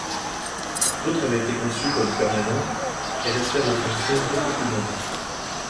D'autres avaient été conçues comme permanentes et restèrent en fonction beaucoup plus longtemps.